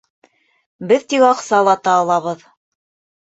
Беҙ тик аҡсалата алабыҙ.